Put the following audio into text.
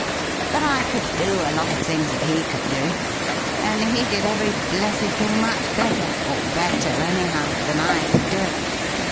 But I could do a lot of things that he could do, only he did every blessed thing much better — or better, anyhow — than I could do it.